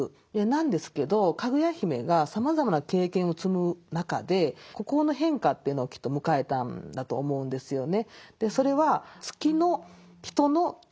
なんですけどかぐや姫がさまざまな経験を積む中で心の変化というのをきっと迎えたんだと思うんですよね。